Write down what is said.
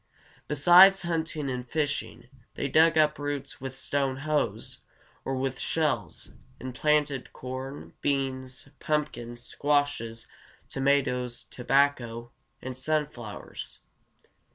Besides hunting and fishing, they dug up roots with stone hoes, or with shells, and planted corn, beans, pumpkins, squashes, tomatoes, tobacco, and sunflowers.